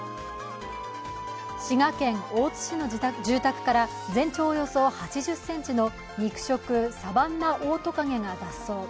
滋賀県大津市の住宅から全長およそ８０ｃｍの肉食サバンナオオトカゲが脱走。